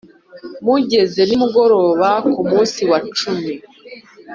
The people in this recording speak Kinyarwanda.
Mugeze nimugoroba ku munsi wa cumi